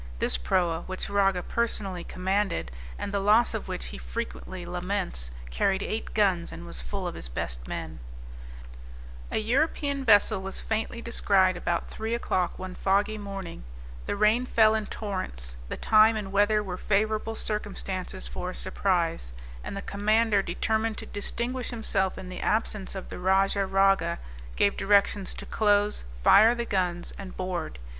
This proa which Raga personally commanded, and the loss of which he frequently laments, carried eight guns and was full of his best men. [Illustration: A Piratical Proa in Full Chase.] An European vessel was faintly descried about three o'clock one foggy morning; the rain fell in torrents; the time and weather were favorable circumstances for a surprise, and the commander determined to distinguish himself in the absence of the Rajah Raga, gave directions to close, fire the guns and board.